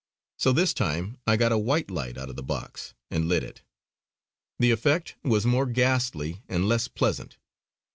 So this time I got a white light out of the box and lit it. The effect was more ghastly and less pleasant.